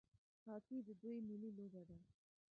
هاکي د دوی ملي لوبه ده.